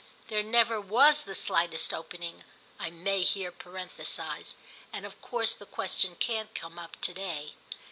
There never was the slightest opening, I may here parenthesise, and of course the question can't come up to day.